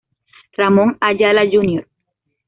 Ramón Ayala Jr.